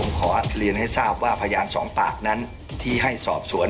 ขอเรียนให้ทราบว่าพยานสองปากนั้นที่ให้สอบสวน